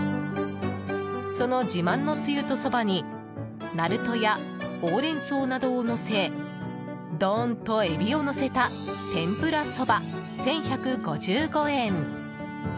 その自慢のつゆとそばに鳴門やホウレンソウなどをのせどーんとエビをのせた天ぷらそば、１１５５円。